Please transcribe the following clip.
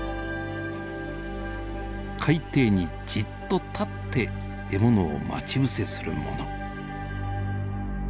海底にじっと立って獲物を待ち伏せするもの。